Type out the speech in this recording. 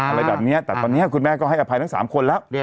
อะไรแบบนี้แต่ตอนนี้คุณแม่ก็ให้อภัยทั้ง๓คนแล้ว